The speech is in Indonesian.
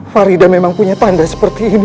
farida memang punya tanda seperti ini